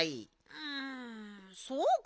うんそうかなあ。